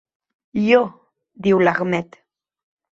Ió —diu l'Ahmed.